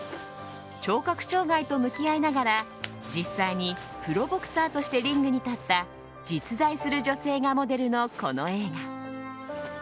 聴覚障害と向き合いながら実際にプロボクサーとしてリングに立った実在する女性がモデルのこの映画。